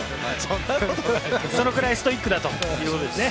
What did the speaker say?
そのくらいストイックだということですね。